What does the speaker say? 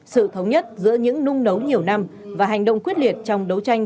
sự thống nhất giữa những nung nấu nhiều năm và hành động quyết liệt trong đấu tranh